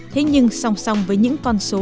thế nhưng song song với những con số